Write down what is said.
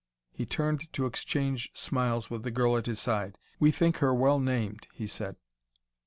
'" He turned to exchange smiles with the girl at his side. "We think her well named," he said.